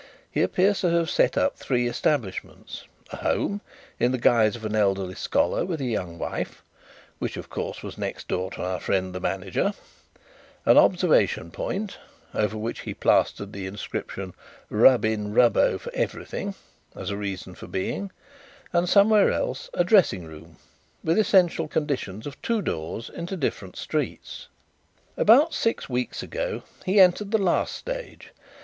He appears to have set up three establishments; a home, in the guise of an elderly scholar with a young wife, which, of course, was next door to our friend the manager; an observation point, over which he plastered the inscription 'Rub in Rubbo for Everything' as a reason for being; and, somewhere else, a dressing room with essential conditions of two doors into different streets. "About six weeks ago he entered the last stage.